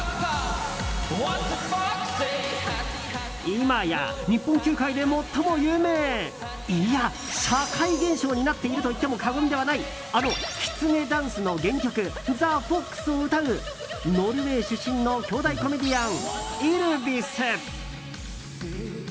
今や日本球界で最も有名いや、社会現象になっていると言っても過言ではないあの「きつねダンス」の原曲「ＴｈｅＦＯＸ」を歌うノルウェー出身の兄弟コメディアン、ＹＬＶＩＳ。